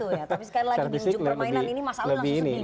tapi sekarang lagi diunjuk permainan ini masalah langsung sendiri kayaknya